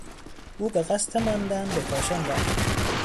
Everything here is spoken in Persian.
او به قصد ماندن به کاشان رفت.